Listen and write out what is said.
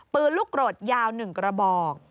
ปืนลูกกรดยาว๑กระบอก